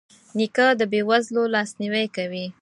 نیکه د بې وزلو لاسنیوی کوي.